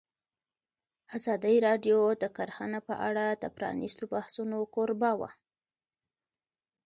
ازادي راډیو د کرهنه په اړه د پرانیستو بحثونو کوربه وه.